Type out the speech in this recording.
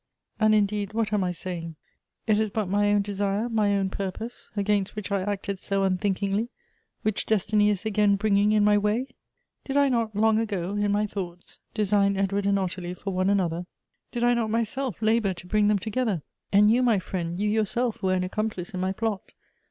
"And, indeed, what am I saying? It is but my own desire, my own purpose, against which I acted so unthink ingly, which destiny is again bringing in my way? Did I not long ago, in my thoughts, design Edward and Ottilie for one another? Did I not myself labor to bring them together ? And you, my friend, you yourself were an accomplice in my plot.